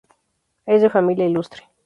Es de familia ilustre.